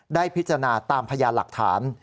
ได้พิจารณาตามพยานหลักฐาน